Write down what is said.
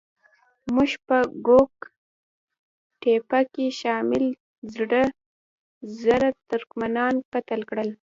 موږ په ګوک تېپه کې شل زره ترکمنان قتل کړل.